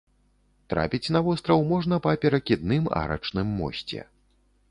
Трапіць на востраў можна па перакідным арачным мосце.